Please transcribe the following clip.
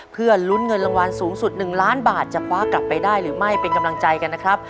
เพื่อลุ้นเงินรางวัลสูงสุด๑ล้านบาทจะคว้ากลับไปได้หรือไม่เป็นกำลังใจกันนะครับ